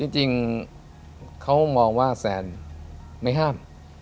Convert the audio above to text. จริงเขามองว่าแซนไม่ห้าม